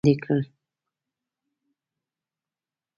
نږدې ملګرې مې زلزلې تر خاورو لاندې کړل.